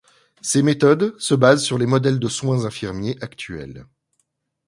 Ces méthodes se basent sur les modèles de soins infirmiers actuels.